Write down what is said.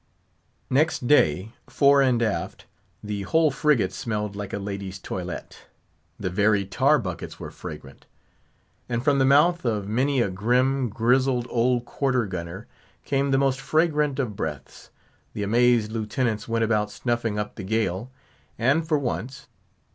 Next day, fore and aft, the whole frigate smelled like a lady's toilet; the very tar buckets were fragrant; and from the mouth of many a grim, grizzled old quarter gunner came the most fragrant of breaths. The amazed Lieutenants went about snuffing up the gale; and, for once.